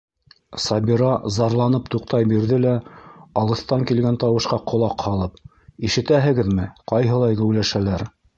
— Сабира зарланып туҡтай бирҙе лә, алыҫтан килгән тауышҡа ҡолаҡ һалып: — Ишетәһегеҙме, ҡайһылай геүләшәләр.